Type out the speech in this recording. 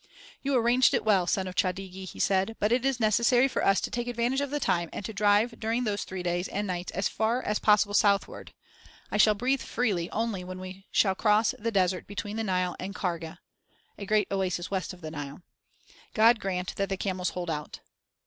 "You arranged it well, son of Chadigi," he said, "but it is necessary for us to take advantage of the time and to drive during those three days and nights as far as possible southward. I shall breathe freely only when we shall cross the desert between the Nile and Kharga (a great oasis west of the Nile). God grant that the camels hold out."